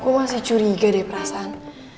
aku masih curiga deh perasaan